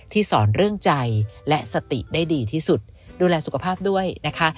สอนเรื่องใจและสติได้ดีที่สุดดูแลสุขภาพด้วยนะคะ